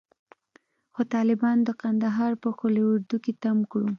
خو طالبانو د کندهار په قول اردو کښې تم کړو.